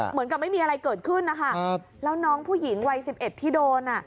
เหมือนกับไม่มีอะไรเกิดขึ้นนะคะแล้วน้องผู้หญิงวัย๑๑ที่โดน